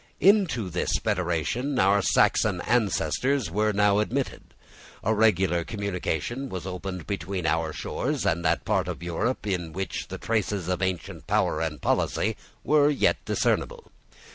Into this federation our Saxon ancestors were now admitted. A regular communication was opened between our shores and that part of Europe in which the traces of ancient power and policy were yet discernible.